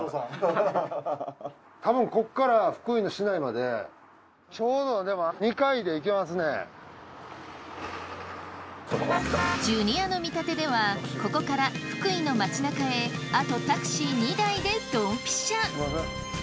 たぶんここからジュニアの見立てではここから福井の街なかへあとタクシー２台でドンピシャ。